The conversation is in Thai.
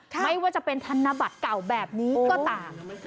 ไม่ว่าจะเป็นธนบัตรเก่าแบบนี้ก็ตาม